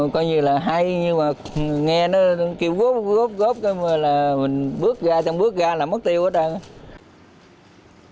coi như là hay nhưng mà nghe nó kêu góp góp góp mình bước ra bước ra là mất tiêu hết